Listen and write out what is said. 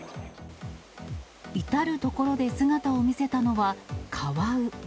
至る所で姿を見せたのは、カワウ。